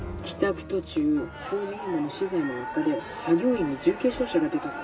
途中工事現場の資材の落下で作業員に重軽傷者が出たんです。